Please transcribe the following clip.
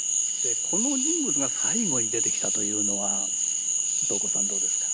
この人物が最後に出てきたというのは瞳子さんどうですか？